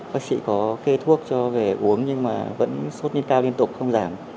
bác sĩ có kê thuốc cho về uống nhưng mà vẫn sốt nhiên cao liên tục không giảm